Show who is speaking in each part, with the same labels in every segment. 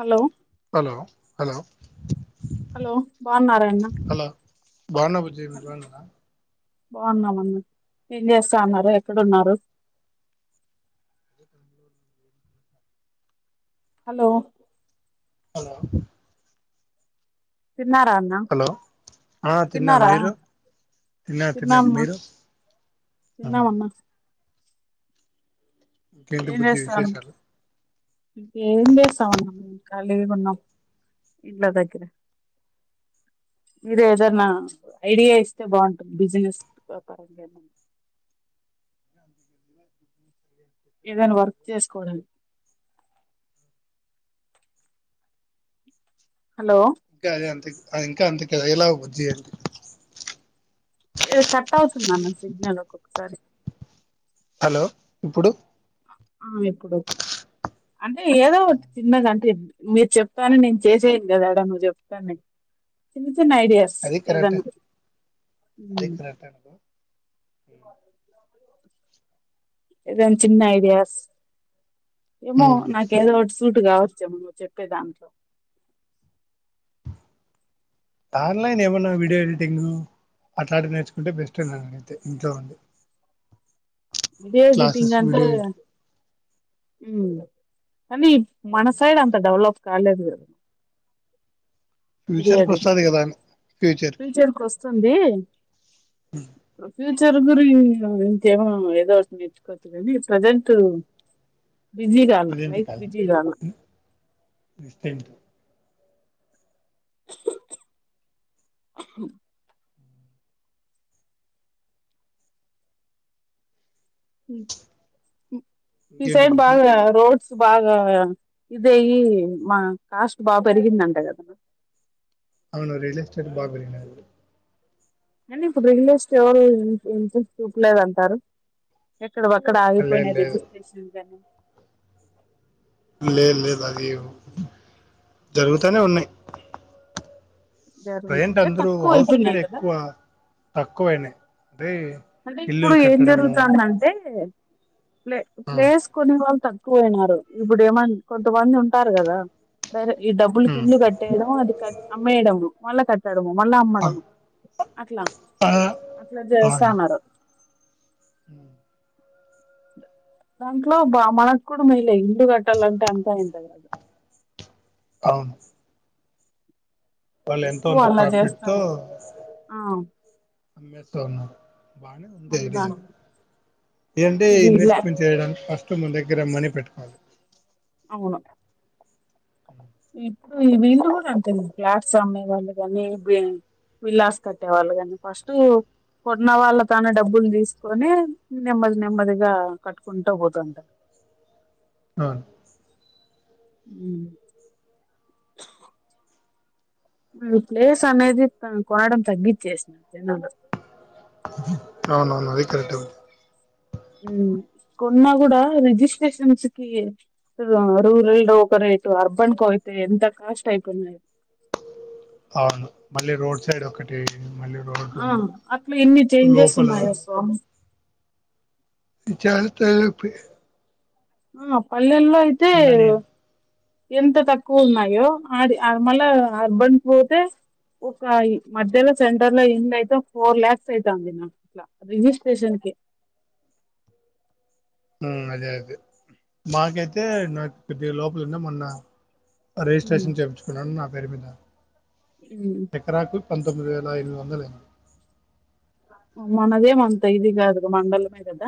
Speaker 1: Hello
Speaker 2: hello hello
Speaker 1: hello బన్నరన్న
Speaker 2: hello బాగున్నా బుజ్జి మీరు బాగున్నారా
Speaker 1: బాగున్నామన్న ఏం చేస్తా ఉన్నారు ఎక్కడున్నారు
Speaker 2: అ
Speaker 1: హలో
Speaker 2: హలో
Speaker 1: తిన్నారా అన్నా
Speaker 2: హలో ఆ తిన్నా
Speaker 1: తిన్నారా
Speaker 2: మీరు తిన్నా తిన్నా
Speaker 1: తిన్నామా
Speaker 2: మీరు
Speaker 1: తిన్నామన్న
Speaker 2: ఇంకేంటి బుజ్జి విశేషాలు
Speaker 1: ఇంక ఏం చేస్తామన్నా మేము ఖాళీ ఉన్నాం ఇంట్ల దగ్గర మీరు ఏదనా ఐడియా ఇస్తే బాగుంటుంది బిజినెస్ వ్యాపారంగా ఏ ఏదైనా వర్క్ చేసుకోవడానికి హలో
Speaker 2: ఇంకా అది అంత అది ఇంకా అంతకీలా [inaudible]
Speaker 1: ఈడకట్ట అవుతుందన్న సిగ్నల్ ఒక్కొక్కసారి
Speaker 2: హలో ఇప్పుడు
Speaker 1: ఆ ఇప్పుడు కే అంటే ఏదో ఒకటి చిన్నగా అంటే మీరు చెప్తానే నేను చేసేయను కదాడా నువ్వు చెప్తానే న్ ఐడియాస్
Speaker 2: అది కరెక్ట్
Speaker 1: ఏదానికి
Speaker 2: అదే కరెక్ట్ అనుకో
Speaker 1: ఏదఅన్ చిన్న ఐడియాస్ ఏమో
Speaker 2: ఉమ్.
Speaker 1: నాకు ఏదో ఒకటి సూటు కావ్ జమ్ చెప్పే ద
Speaker 2: ఆన్లైన్ ఏమన్నా వీడియో ఎడిటింగ్ అట్లాంటివి నేర్చుకుంటే బెస్ట్ నన్నడిగి తే ఇంట్లో ఉండి
Speaker 1: ఏ
Speaker 2: క్లాసెస్
Speaker 1: ద్టింగ్ అంత
Speaker 2: వీడియో ఎడి
Speaker 1: అది మనసైడ్ అంత డెవలప్ కాలేజ్ పోయారు
Speaker 2: ఫ్యూచర్కి వస్తది కదా అని
Speaker 1: ఫ్యూచర్ కి వస్తుంది ఫ్యూ మరి ఇంకేమన్న ఏదో ఓకటి తెచ్చుకోవచ్చు కానీ ప్రజెంట్ బిజీ గావల్ల
Speaker 2: ప్రజెంట్
Speaker 1: లైప్
Speaker 2: కాదు
Speaker 1: బిజీ కావల్ల
Speaker 2: డిస్టెంట్.
Speaker 1: హ్మ్ మీ
Speaker 2: ఇంకేంటి
Speaker 1: సైడ్
Speaker 2: బుజ్జి
Speaker 1: బాగా రోడ్ బాగా ఇదేయి మా కాస్ట్ బాగా పెరిగిందంట కదా
Speaker 2: అవును రియల్ ఎస్టేట్ బాగా పెరిగినది
Speaker 1: నిను ఇప్పుడు ఉండే స్టొరు ఇంట్రెస్ట్ [unintelligible] చూపలేదంటారు ఎక్కడవి ఒక్కడ ఆగిపోయిన
Speaker 2: లేదు లేదు
Speaker 1: రిజిస్ట్రేషన్ అన్నీ
Speaker 2: లేదు లేదు అవి జరుగుతానే ఉన్నాయి ప్రజెంట్
Speaker 1: అంటే
Speaker 2: అందరు
Speaker 1: తక్కువ
Speaker 2: హౌస్ మీద
Speaker 1: అయిపోయినాయి కదా
Speaker 2: ఎక్కువ తక్కువైనాయి
Speaker 1: అంటే ఇప్పుడు ఏం జరుగుతాంది అంటే ప్లే
Speaker 2: ఉమ్,
Speaker 1: ప్లేస్ కొని వళ్త క్కుయినారు ఇప్పుడు ఏమన్నా కొంతమంది ఉంటారు కదా సరే ఈ డబ్బులు కి
Speaker 2: ఉమ్.
Speaker 1: ఇల్లు కట్టేయడమ అది అమ్మేయడమ మళ్ళ కట్టాల్ కొనడం అమ్మడం
Speaker 2: అ-
Speaker 1: అట్లా
Speaker 2: ఆ,
Speaker 1: అట్లా చేస్ తామరు
Speaker 2: హ్మ్
Speaker 1: దాంట్లో బ మనకు కూడా మెలే ఇల్లు కట్టాలంటే అంత యింత కాదు
Speaker 2: అవును వాళ్ళు ఎంతో
Speaker 1: ఎక్కువ
Speaker 2: అంత
Speaker 1: అలా
Speaker 2: ప్రాఫిట్
Speaker 1: చేస్తాను ఆ
Speaker 2: అమ్మెస్త ఉన్నారు బానే ఉంది
Speaker 1: అవును
Speaker 2: ఐడియా
Speaker 1: దాని
Speaker 2: ఏమంటే
Speaker 1: ఇది లే
Speaker 2: ఇన్వెస్ట్మెంట్ చేయడానికి కష్టం ఓకే మన దగ్గర మనీ పెట్టుకోవాలి
Speaker 1: అవును ఇప్పుడు ఈ వీళ్ళు కూడా అంతే ప్లాట్స్ అమ్మే వాళ్ళు కాని విలాస్ కట్టే వాళ్ళు కాని ఫస్ట్ కొన్న వాళ్ళ తన డబ్బులు తీసుకొని నెమ్మది నెమ్మదిగా కట్టుకుంటా పోతుంటారు
Speaker 2: అవును
Speaker 1: మ్మ్ ప్లేస్ అనేది కొనడం తగ్గిచ్చేసినారు తినను [unintelligible]
Speaker 2: అవునవును అది కరెక్ట్
Speaker 1: ఉ కొన్నా కూడా రిజిస్ట్రేషన్స్ కి రూరల్ ఒ [unintelligible] క రేటు అర్బన్ కు అయితే ఎంత కాస్ట్ అయిపోయినాయో
Speaker 2: అవును మళ్ళీ రోడ్ సైడ్ ఒకటి మళ్ళీ రోడ్లు
Speaker 1: ఆ అట్లా ఎన్ని చేంజెస్
Speaker 2: లోపల
Speaker 1: ఉన్నాయో స్వామి
Speaker 2: ఇచాన్ పే పే
Speaker 1: ఉ అప్ పల్లెల్లో అయితే
Speaker 2: ఉన్నా నేను
Speaker 1: ఎంత తక్కువ ఉన్నాయో అది మళ్ళ అర్బన్ పోతే ఒక మధ్యలో సెంటర్ లో ఎంద అయితే ఫోర్ లాక్స్ అయితాంది అన్నా అట్లా రిజిస్ట్రేషన్ కి
Speaker 2: ఉ అదే అదే మాకైతే నాకు కొద్ది లోపల ఉన్నా మొన్న
Speaker 1: ఉమ్,
Speaker 2: రిజిస్ట్రేషన్ చేయించుకున్నాను నా పేరు మీద
Speaker 1: ఉమ్.
Speaker 2: ఎకరాకు పంతొమ్మిది వందల అయినాయి
Speaker 1: మనదే మంత ఇది కాదుగా మండలమే కదా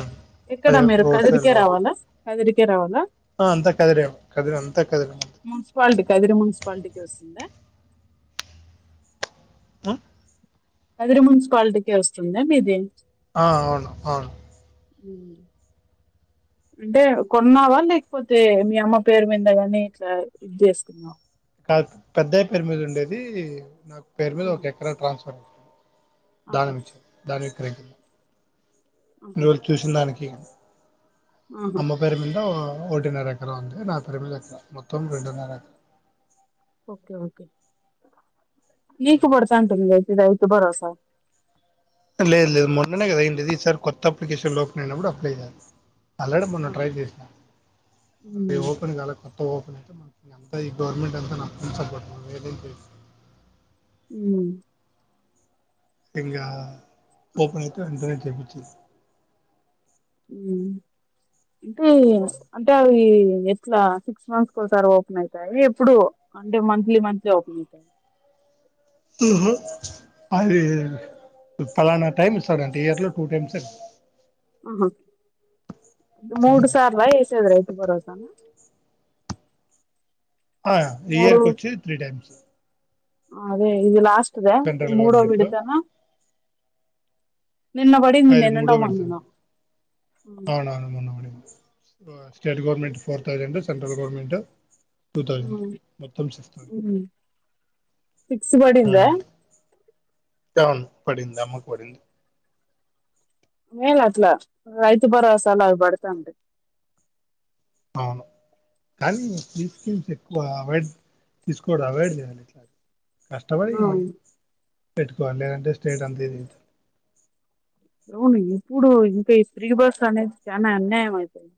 Speaker 2: ఉమ్
Speaker 1: ఎక్కడ
Speaker 2: అదే
Speaker 1: మీరు
Speaker 2: రోడ్ సైడ్
Speaker 1: కదిరికే
Speaker 2: లోపల
Speaker 1: రావాలా కదిరి రావాలా
Speaker 2: ఆ అంతా కదిరేం కదిరీ అంతా కదిరీ అంతా
Speaker 1: పాలిటికే వస్తుందా
Speaker 2: ఆ
Speaker 1: అదే మున్సిపాలిటీ కే వస్తుంద మిది
Speaker 2: ఆ అవును అవును
Speaker 1: ఉ అంటే కొన్నావా లేకపోతే మీ అమ్మ పేరు మీద గాని ఇట్లా ఇది చేసుకున్నావా
Speaker 2: పెద్దయ్య పేరు మీద ఉండేది నాకు పేరు మీద ఒక
Speaker 1: ఆహా
Speaker 2: ఎకరా ట్రాన్స్ఫర్
Speaker 1: ఆహా
Speaker 2: దానం ఇచ్చ దానం [unintelligible]
Speaker 1: ఆహా
Speaker 2: [unintelligible] చూసిందానికి
Speaker 1: ఆహా
Speaker 2: అమ్మ పేరు మీద ఒకటిన్నర ఎకరం ఉంది నా పేరు మీద ఎకరం మొత్తం రెండున్నర
Speaker 1: ఓకే ఓకే నీకు పడతంటుందే రైతు భరోసా
Speaker 2: లేదు లేదు మొన్ననే కదండి తీసేసారు కొత్త అప్లికేషన్లు ఓపెన్ అయినప్పుడు అప్లై చేయాలి ఆల్రెడీ మొన్న
Speaker 1: ఆహా
Speaker 2: ట్రై చేసిన ఇవి ఓపెన్ కాలే ఓపెన్ అయితే [inaudible] అదే ఈ గవర్నమెంట్ అంతా
Speaker 1: ఆహా
Speaker 2: నాకు పుల్ సపోర్ట్ ఉంది వేరేది చేశాను
Speaker 1: ఊ
Speaker 2: ఇంగా ఓపెన్ ఐతే వెంటనే చేపిచ్చేసేయ్
Speaker 1: ఉ అంటే అంటే అవి ఎట్లా సిక్స్ మంత్స్ ఒకసారి ఓపెన్ అయితాయ ఎప్పుడు అంటే మంత్లీ మంత్లీ ఓపెన్ అవుతాయ
Speaker 2: అది ఫలానా టైమ్ ఇస్తాడండి ఇయర్ లో టూ టైమ్స్
Speaker 1: ఆహ మూడు సార్ల ఎసేది భరోసా
Speaker 2: ఆ ఇయర్కి వచ్చి త్రీ టైమ్స్
Speaker 1: అదే ఇది లాస్ట్ అదే ఇది
Speaker 2: సెంట్రల్
Speaker 1: మూడో
Speaker 2: గవర్నమెంట్
Speaker 1: విడతనా నిన్న బడింది
Speaker 2: అది
Speaker 1: నిన్ననో
Speaker 2: మూడో పెడతాను
Speaker 1: మొన్ననో
Speaker 2: అవునవును మొన్న పడింది state government four thousand central government two
Speaker 1: ఆ
Speaker 2: థౌజండ్ మొత్తం సిక్స్
Speaker 1: ఊ సిక్స్ బడిందా
Speaker 2: ఆ పడింది అమ్మకు పడింది
Speaker 1: మెయిన్ అట్లా రైతు భరోస అలు అది బడతంటె
Speaker 2: అవును కానీ ఫ్రీ స్కీమ్స్ ఎక్కువ అవాయిడ్ తీసుకోవద్దు అవాయిడ్ చేయాలి కష్టపడి
Speaker 1: అవును
Speaker 2: పెట్టుకోవాలి లేదంటే స్టేట్ అంత
Speaker 1: అవును ఇప్పుడు ఇంకా ఈ ఫ్రీ బస్ అనేది చానా అన్యాయం అయితుంది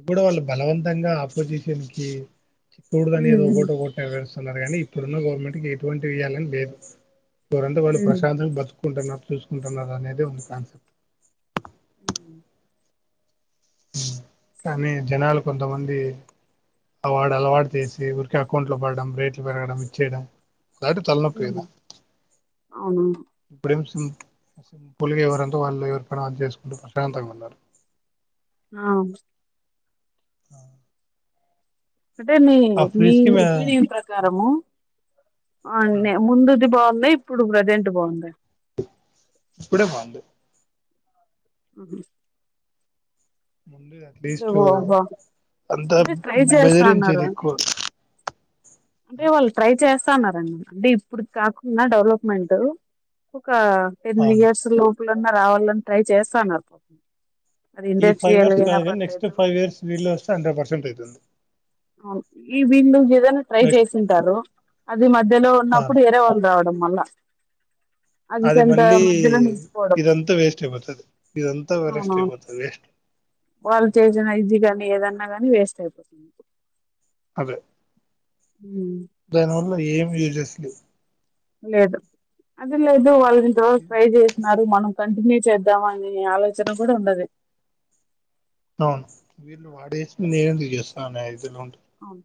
Speaker 2: ఇప్పుడు వాళ్ళు బలవంతంగా ఆపోజిషన్ కి చూడుదని ఏదో
Speaker 1: ఉమ్
Speaker 2: ఒకటొకటే వేస్తా న్నారు కానీ ఇప్పుడున్న గవర్నమెంట్కి ఎటువంటివియ్యాలని లేదు గోరంత వాన్నీ
Speaker 1: ఉమ్
Speaker 2: ప్రశాంతంగా బ్రతుకు. చూకుంటున్నారు చూసుకుంటున్నారనేడే ఉ
Speaker 1: ఉహు
Speaker 2: కానీ జనాలు కొంతమంది అవాడు అలవాటు చేసి ఊరికిే అకౌంట్లో పడడం రేట్లు పెరగడం ఇచ్చేయడం. అలాంటి తలనొప్పి
Speaker 1: ఉమ్
Speaker 2: కదా
Speaker 1: అవునా
Speaker 2: ఇప్పుడేం సి పొలిగ ఎవరంత వాళ్ళు ఎవరి పని అదు చేసుకుంటూ ప్రశాంతంగా ఉన్నారు.
Speaker 1: ఆమ్
Speaker 2: అ
Speaker 1: అంటే మీ మీ
Speaker 2: కి మే
Speaker 1: ఒపీనియన్ ప్రకారము. అన్నే ముందుది బా ఇప్పుడు ప్రజెంట్ బాగుందా
Speaker 2: ఇప్పుడే బావుంది.
Speaker 1: అహు
Speaker 2: అంటే అట్లీస్ట్
Speaker 1: బా బా-
Speaker 2: అంత
Speaker 1: అంటే ట్రై చేస్తాన్నారు
Speaker 2: బెదిరించేది
Speaker 1: అంటే
Speaker 2: ఎక్కువ.
Speaker 1: అంటే వాళ్ళు ట్రై చేస్తా అన్నారండి. అంటే ఇప్పుడుకి కాకుండా డెవలప్మెంటు హా టెన్
Speaker 2: అవును
Speaker 1: ఇయర్స్ లో ఎలన్నా రావాలని ట్రై చేస్థాన్నారు. అది ఇండస్ట్రియల్ అయినా పర్
Speaker 2: తు ఫైవ్ ఇయర్స్ వీళ్ళే వస్తే హండ్రడ్ పర్సెట్ టైతుంది
Speaker 1: అవును ఈ విందు కేదైన ట్రై
Speaker 2: నెక్స్ట్
Speaker 1: చేసుంటారు ది మధ్యలో ఉన్నప్పుడు
Speaker 2: అవును
Speaker 1: వేరే వాళ్ళు రావడం. మళ్ళా అది సంత మధ్యలో నిలిచిపోవడం
Speaker 2: ఇదంతా వేస్ట్ అయిపోతది ఇదంతా వేస్ట్
Speaker 1: అవునవును
Speaker 2: అయిపోతది వేస్ట్
Speaker 1: వాళ్ళు చేసిన ఇది కానీ ఏద న్నా గాని వేస్ట్ అయిపోతుంది
Speaker 2: అదే
Speaker 1: ఉమ్మ్
Speaker 2: దాని వల్ల ఏం యూజెస్ లు
Speaker 1: లేదు అది మేబి వాళ్ళు దో ట్రై జేసిన మరి మనం కంటిన్యూ చేద్దాం అని ఆలోచన కూడా ఉండదు
Speaker 2: అవును వీళ్ళు వాడేసి నేనుందుకు చేస్తా [unintelligible]
Speaker 1: ఔను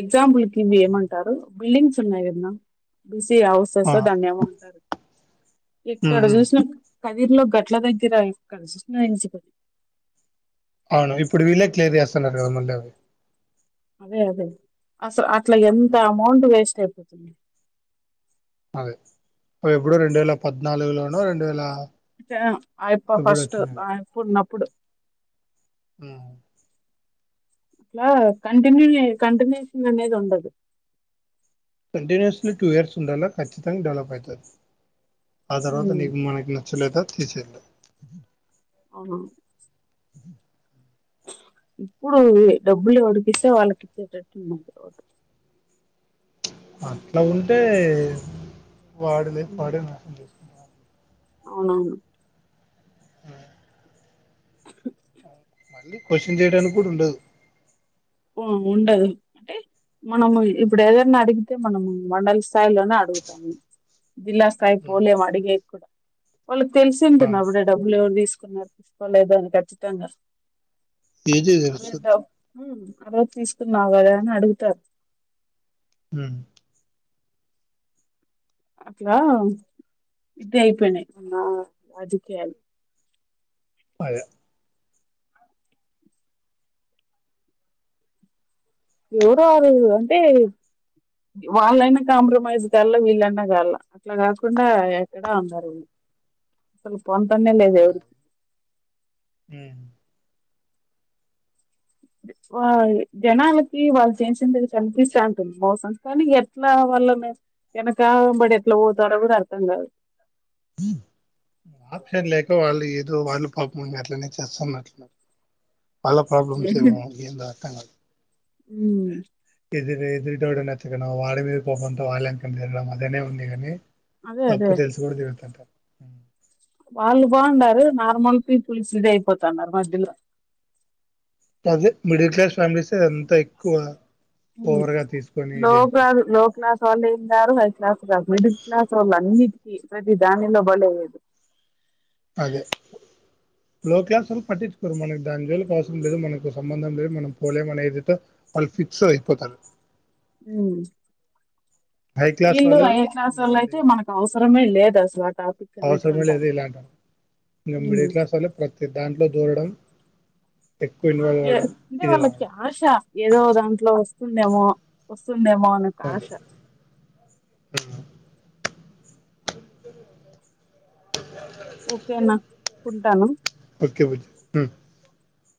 Speaker 1: ఎగ్జాంపుల్ కి ఇవి ఏమంటారు బిల్డింగ్స్ ఉన్నాయి కద నా బి సి హౌసెస్ దాన్ని ఏమంటారు ఎక్కడ
Speaker 2: అవును
Speaker 1: చూసినా కదిర్లో గట్ల దగ్గర [unintelligible]
Speaker 2: అవును ఇప్పుడు వీళ్ళే క్లియర్ చేస్తున్నారు కదా మళ్ళీ అవి
Speaker 1: అదే అదే అస ఆ ట్లా ఎంత
Speaker 2: హ్మ్.
Speaker 1: అమౌంట్ వేస్ తేపోతున్నా
Speaker 2: అది పో ఎప్పుడో రెండు వేల పద్నాలుగులోనో రెండు వేల
Speaker 1: చా అయప్ప
Speaker 2: ఎప్పుడు
Speaker 1: ఫస్ట్
Speaker 2: వచ్చినవి
Speaker 1: [unintelligible] ప్పుడు
Speaker 2: ఉమ్మ్
Speaker 1: అట్లా కంటిన్యూ చే కంటినుయేషన్ అనేది ఉండదు
Speaker 2: కంటిన్యూస్లీ టూ ఇయర్స్ ఉండాలా కచ్చితంగా డెవలప్ ఐతారు ఆ తర్వాత
Speaker 1: ఉమ్
Speaker 2: నీకు మనకి నచ్చలేక తీసేయల
Speaker 1: అవునా ఇప్పుడు డబ్బులు ఎవుడికిస్తే వాళ్ళకి ఇచ్చేటట్టున్నారు [unintelligible]
Speaker 2: అట్లా ఉంటే వాడులే
Speaker 1: ఉమ్,
Speaker 2: [unintelligible]
Speaker 1: అవునవును
Speaker 2: హ్మ్. మళ్ళీ క్వశ్చన్ చేయడానికి కూడా ఉండదు
Speaker 1: ఆ ఉండదు అంటె మనము ఇప్పుడు ఏదైనా అడిగి అయితే మనము మండల స్థాయిలోనే అడుగుతాము జిల్లా
Speaker 2: హ్మ్.
Speaker 1: స్థాయికిపోలే అడిగి న కూడా వాళ్ళకి తెలిసింటుందా
Speaker 2: అవును
Speaker 1: అవిడ డబ్బులు ఎవరు తీసుకు నడిపిచ్చుకోలేదు అని ఖచ్చితంగా
Speaker 2: ఏజీ
Speaker 1: అదద్ద
Speaker 2: తెలుస్తుంది
Speaker 1: మ్ ఆ రోజు తీసుకున్నావు కదా అని అడుగుతారు
Speaker 2: మ్
Speaker 1: అట్లా ఇది అయిపోయినాయి ఉన్న రాజకీయాలు
Speaker 2: అదె
Speaker 1: ఎవరోకరు అంటే వాళ్ళైనా కాంప్రమైజ్ కాాల వీళ్ళన్నా కాాల అట్లా కాకుండా ఎక్కడా ఉండరు అసలు పొంతన్నే లేదవరికి
Speaker 2: హ్మ్.
Speaker 1: ఆ... జనాలకి వాళ్ళు చేసింది కనిపిస్తాంటుంది మోసం కానీ ఎట్లా వాళ్ళ వెనకబడి ఎట్లా పోతడో కూడా అర్థం కాదు
Speaker 2: ఆప్షన్లేక వాళ్ళు ఏదీ వాళ్ళు పాపంఅట్లనే చేస్తాన్నట్లున్నారు వాళ్ళ ప్రాబ్లమ్స్ ఏవొ అయ్యేదాకా
Speaker 1: ఉమ్
Speaker 2: త [inaudible] ఎదురుటొడు నచ్చకనొ వాడి మీద కోపంతో [unintelligible] ఉంది కాని
Speaker 1: అదే
Speaker 2: తప్పు
Speaker 1: అదే
Speaker 2: తెలిసి కూడా తిరగతాంటారు హ
Speaker 1: వాళ్ళు బావుండారు నార్మల్కి పీపుల్స్ ఇది అయిపోతున్నారు మధ్యలో
Speaker 2: అదే మిడిల్ క్లాస్ ఫ్యామిలీస్ అ అంత ఎక్కువ ఓవర్ గా తీసుకొని
Speaker 1: లో క్లాస్
Speaker 2: ఇదైపోతుంది
Speaker 1: లో క్లాస్ వాళ్ళు ఏం కాదు హై క్లాస్ ఏం కాదు మిడిల్ క్లాస్ వాళ్ళు అన్నీ ప్రది దాని లో [unintelligible]
Speaker 2: అదే లో క్లాసోళ్ళు పట్టించుకోరు మనకు దాని జోలికి అవసరం లేదు మనకు సంబంధం లేదు మనం పోలేం అనే ఇది తొ వాళ్ళు ఫిక్స్ అయిపోతారు
Speaker 1: మ్
Speaker 2: హై క్లాస్
Speaker 1: వీళ్ళు
Speaker 2: వాళ్ళు
Speaker 1: ఏ క్లాసోళ్ళు
Speaker 2: వాళ్ళు
Speaker 1: అయితే మనకు అవసరమే లేదస్ల
Speaker 2: అవసరమే లేదు ఇలాగ ఇంక
Speaker 1: ఉమ్.
Speaker 2: మిడిల్ క్లాసోళ్ళు ప్రతి దాంట్లో దూరడం ఎక్కువ ఇన్వాల్వ్ అవ్వడం
Speaker 1: అంటే
Speaker 2: ఇది
Speaker 1: వాళ్ళకి
Speaker 2: కావడం
Speaker 1: ఆశ ఏదో దాంట్లో వ దేమొ వస్తుం దేమో అన్న ఆశ
Speaker 2: ఆ క
Speaker 1: ఓకేనా ఉంటాను
Speaker 2: ఓకే పూజ